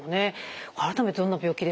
改めてどんな病気でしょうか？